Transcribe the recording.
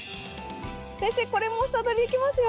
先生これも房どりできますよ。